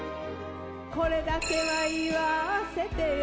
「これだけは言わせてよ」